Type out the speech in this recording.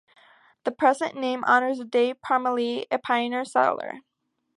The present name honors Dave Parmelee, a pioneer settler.